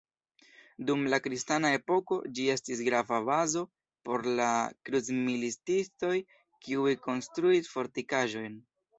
Dum la kristana epoko, ĝi estis grava bazo por la krucmilitistoj, kiuj konstruis fortikaĵon.